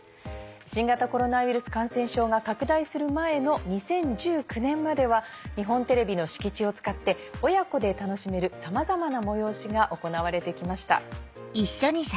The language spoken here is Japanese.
新型コロナウイルス感染症が拡大する前の２０１９年までは日本テレビの敷地を使って親子で楽しめるさまざまな催しが行われて来ました。